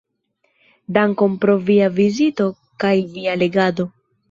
Dankon pro via vizito kaj via legado.